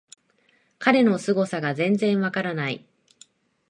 彼のすごさが全然わからない